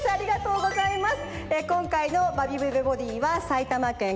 ありがとうございます。